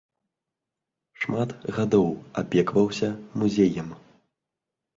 Шмат гадоў апекаваўся музеем.